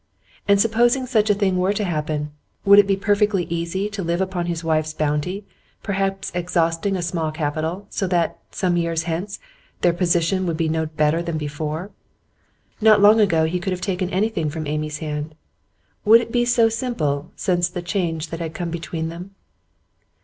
And supposing such a thing were to happen; would it be perfectly easy to live upon his wife's bounty perhaps exhausting a small capital, so that, some years hence, their position would be no better than before? Not long ago, he could have taken anything from Amy's hand; would it be so simple since the change that had come between them?